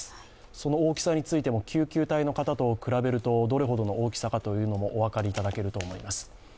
その大きさについても救急隊の方と比べるとどれほどの大きさかということもお分かりいただけると思います。